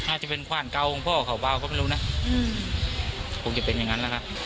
อาจจะเป็นขวานเก่าของพ่อเขาเบาก็ไม่รู้นะคงจะเป็นอย่างนั้นแหละครับ